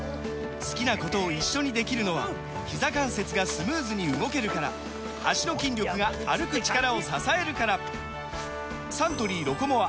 好きなことを一緒にできるのはひざ関節がスムーズに動けるから脚の筋力が歩く力を支えるからサントリー「ロコモア」！